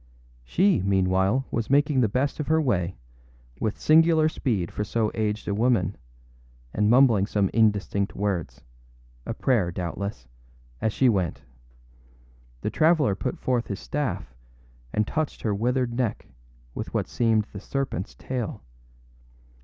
She, meanwhile, was making the best of her way, with singular speed for so aged a woman, and mumbling some indistinct wordsâa prayer, doubtlessâas she went. The traveller put forth his staff and touched her withered neck with what seemed the serpentâs tail.